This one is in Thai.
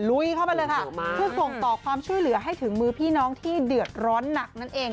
ลุยเข้าไปเลยค่ะเพื่อส่งต่อความช่วยเหลือให้ถึงมือพี่น้องที่เดือดร้อนหนักนั่นเอง